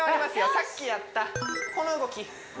さっきやったこの動き